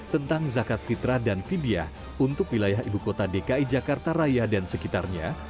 tentang zakat fitrah dan vidya untuk wilayah ibukota dki jakarta raya dan sekitarnya